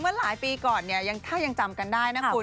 เมื่อหลายปีก่อนเนี่ยถ้ายังจำกันได้นะคุณ